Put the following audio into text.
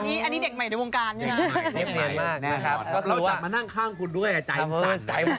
อันนี้อันนี้เด็กใหม่ในวงการใช่ไหม